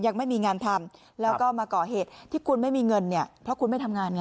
ยังไม่มีงานทำแล้วก็มาก่อเหตุที่คุณไม่มีเงินเนี่ยเพราะคุณไม่ทำงานไง